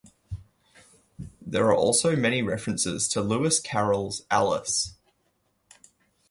There are also many references to Lewis Carroll's Alice.